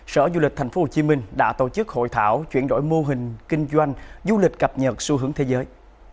sở du lịch tp hcm đã tổ chức hội thảo chuyển đổi mô hình kinh doanh du lịch cập nhật xu hướng thế giới